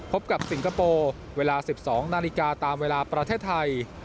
พบกับสิงคโปร์เวลา๑๒นาฬิกาตามเวลาประเทศไทย